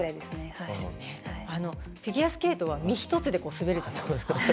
フィギュアスケートは身一つで滑るじゃないですか。